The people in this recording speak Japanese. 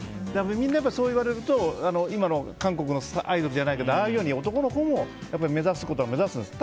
みんなそう言われると今の韓国のアイドルじゃないけどああいうふうに男のほうも目指すことも目指すんです。